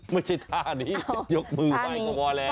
ไม่ใช่ท่านี้ยกมือไหว้ก็พอแล้ว